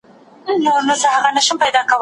زمري ولیدی مېلمه چي غوښي نه خوري